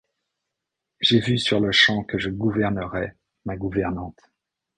J’ai vu sur-le-champ que je gouvernerais ma gouvernante.